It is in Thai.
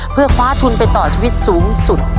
เพื่อคว้าทุนไปต่อชีวิตสูงสุด